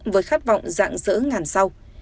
với khát vọng dạng dỡ ngàn sao